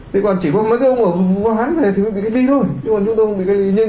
thế còn chỉ có mấy ông ở vùng vùng vùng